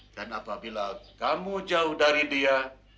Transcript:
dan apabila kamu jauh dari dia